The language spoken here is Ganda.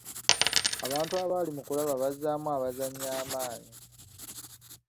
Abantu abali mu kulaba bazzaamu abazannyi amaanyi.